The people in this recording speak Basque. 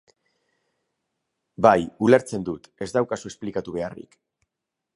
Bai, ulertzen dut, ez daukazu esplikatu beharrik.